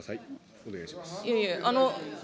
お願いします。